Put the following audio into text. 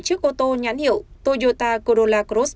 trước ô tô nhãn hiệu toyota corolla cross